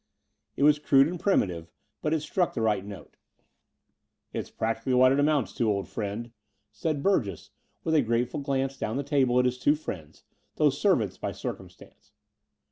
It was crude and primitive, but struck the right note. "It's practically what it amounts to, old friend," The Dower House 279 said Burgess, with a grateful glance down the table at his two friends, though servants by circum stance.